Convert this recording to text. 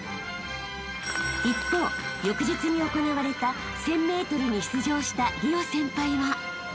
［一方翌日に行われた１０００ｍに出場した莉緒先輩は］